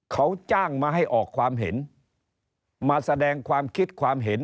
เขาจ้างมาให้ออกความเห็นมาแสดงความคิดความเห็น